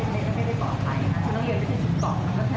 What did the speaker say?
สิทธิ์อะไรวะ